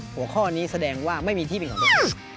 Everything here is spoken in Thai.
หัวข้อนี้แสดงว่าไม่มีที่เป็นของเล่น